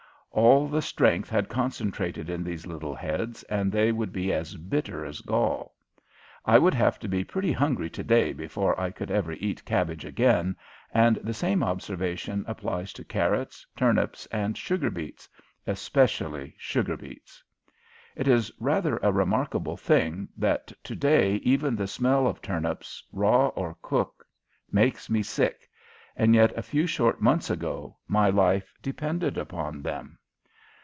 All the strength had concentrated in these little heads and they would be as bitter as gall. I would have to be pretty hungry to day before I could ever eat cabbage again, and the same observation applies to carrots, turnips, and sugar beets especially sugar beets. It is rather a remarkable thing that to day even the smell of turnips, raw or cooked, makes me sick, and yet a few short months ago my life depended upon them.